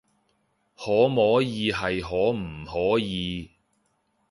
可摸耳係可唔可以